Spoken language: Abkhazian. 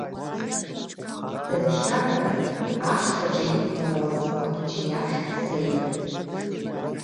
Дынхьаҳәын, ашҭаҿы ихәмаруаз ахәыҷы иахь дцеит.